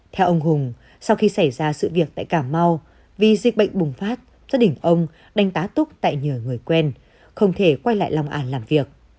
theo ông hùng sau khi xảy ra sự việc tại cà mau vì dịch bệnh bùng phát gia đình ông đánh tá túc tại nhờ người quen không thể quay lại long an làm việc